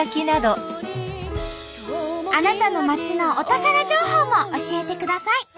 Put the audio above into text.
あなたの町のお宝情報も教えてください。